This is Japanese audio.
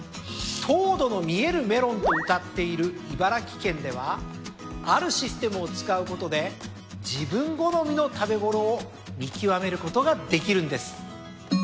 「糖度の見えるメロン」とうたっている茨城県ではあるシステムを使うことで自分好みの食べ頃を見極めることができるんです。